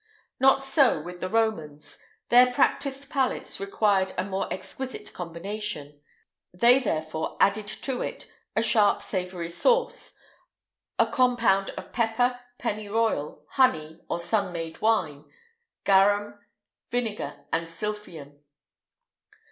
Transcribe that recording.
Not so with the Romans; their practised palates required a more exquisite combination; they, therefore, added to it a sharp savoury sauce a compound of pepper, pennyroyal, honey, or sun made wine, garum, vinegar, and sylphium.